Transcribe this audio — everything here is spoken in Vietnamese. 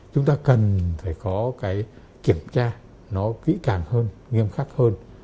chúng ta cần phải có cái kiểm tra nó kỹ càng hơn nghiêm khắc hơn